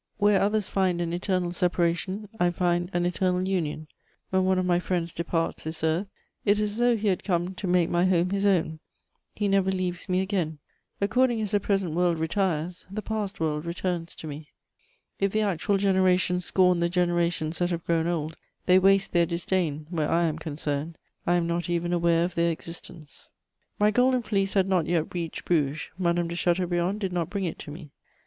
Where others find an eternal separation, I find an eternal union; when one of my friends departs this earth, it is as though he had come to make my home his own; he never leaves me again. According as the present world retires, the past world returns to me. If the actual generations scorn the generations that have grown old, they waste their disdain where I am concerned: I am not even aware of their existence. My Golden Fleece had not yet reached Bruges, Madame de Chateaubriand did not bring it to me.